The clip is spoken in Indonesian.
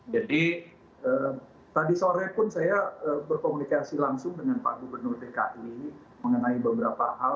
jadi tadi sore pun saya berkomunikasi langsung dengan pak gubernur dki mengenai beberapa hal